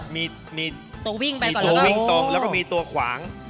มีตัววิ่งต่อแล้วมีตัวขวาง